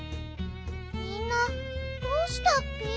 みんなどうしたッピ？